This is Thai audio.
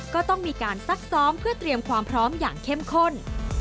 ก็ต้องมีการซักซ้อมเพื่อเตรียมความพร้อมอย่างเข้มข้น